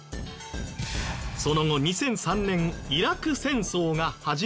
その後２００３年イラク戦争が始まると。